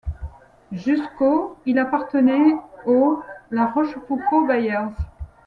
Jusqu'au il appartenait aux La Rochefoucauld-Bayers.